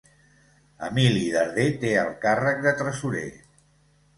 Emili Darder té el càrrec de Tresorer.